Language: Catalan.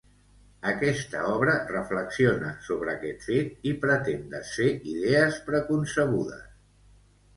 Aquesta obra reflexiona sobre aquest fet i pretén desfer idees preconcebudes.